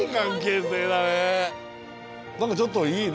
何かちょっといい。